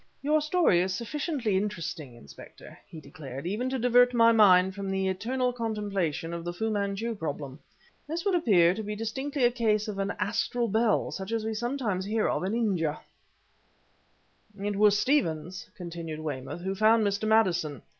"Your story is sufficiently interesting, Inspector," he declared, "even to divert my mind from the eternal contemplation of the Fu Manchu problem. This would appear to be distinctly a case of an 'astral bell' such as we sometimes hear of in India." "It was Stevens," continued Weymouth, "who found Mr. Maddison.